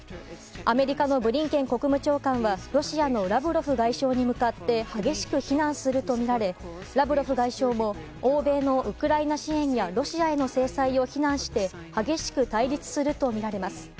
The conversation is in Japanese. アメリカのブリンケン国務長官はロシアのラブロフ外相に向かって激しく非難するとみられラブロフ外相も欧米のウクライナ支援やロシアへの制裁を非難して激しく対立するとみられます。